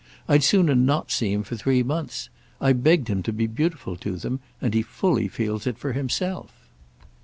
I'd sooner not see him for three months. I begged him to be beautiful to them, and he fully feels it for himself."